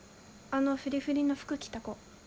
あのフリフリの服着た子。